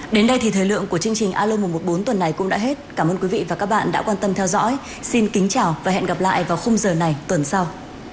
đến đây thì thời lượng của chương trình alo một trăm một mươi bốn tuần này cũng đã hết cảm ơn quý vị và các bạn đã quan tâm theo dõi xin kính chào và hẹn gặp lại vào khung giờ này tuần sau